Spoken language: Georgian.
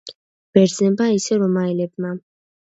ბერძნებმა, ისე რომაელებმა.